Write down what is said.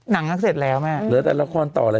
นานมากเลยแต่กระแสยังอยู่เลย